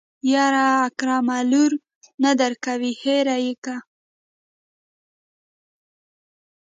يره اکرم لور نه درکوي هېره يې که.